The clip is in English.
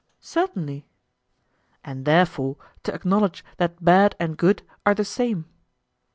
Certainly. And therefore to acknowledge that bad and good are the same?